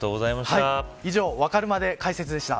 以上、わかるまで解説でした。